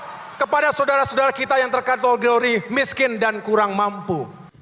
berdampak kepada saudara saudara kita yang terkandung oleh miskin dan kurang mampu